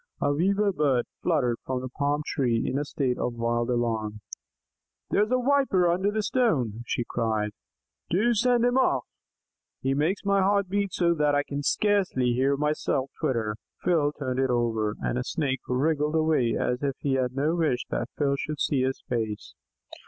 A Weaver Bird fluttered from the palm tree in a state of wild alarm. "There's a Viper under that stone," she cried, "Do send him off. He makes my heart beat so that I can scarcely hear myself twitter." Phil turned it over, and a Snake wriggled away as if he had no wish that Phil should see his face.